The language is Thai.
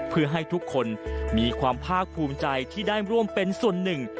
เพื่อให้ทุกคนมีความภาคภูมิใจที่ได้ร่วมเป็นส่วนหนึ่ง